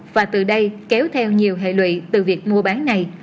và từ đây kéo theo nhiều hệ lụy từ việc mua bán này